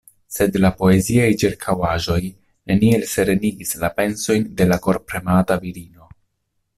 Sed la poeziaj ĉirkaŭaĵoj neniel serenigis la pensojn de la korpremata virino.